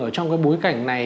ở trong cái bối cảnh này